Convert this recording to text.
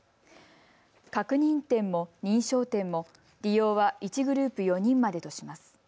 確認店も認証店も利用は１グループ４人までとします。